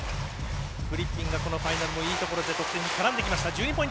フリッピンがこのファイナルもいいところで得点に絡んできました。